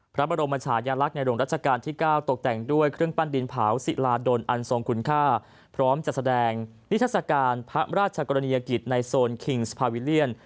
พระบรมชายลักษณ์ในหลวงรัชกาลที่๙ตกแต่งด้วยเครื่องปั้นดินเผาศิลาดลอันทรงคุณค่าพร้อมจัดแสดงนิทัศกาลพระราชกรณียกิจในโซนคิงสภาวิเลียน